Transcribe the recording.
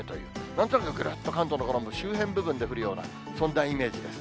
なんとなく関東の所も周辺部分で降るような、そんなイメージです。